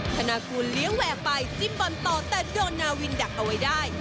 ธนากูลเลี้ยงแหวกไปจิ้มบอลต่อแต่โดนนาวินดักเอาไว้ได้